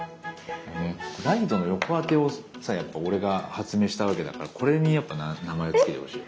ライトの横当てをさやっぱ俺が発明したわけだからこれにやっぱ名前を付けてほしいな。